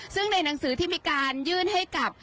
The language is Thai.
ซึ่งในหนังสือที่มีการยื่นให้กับ